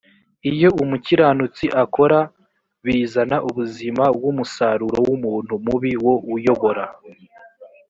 ibyo umukiranutsi akora bizana ubuzima w umusaruro w umuntu mubi wo uyobora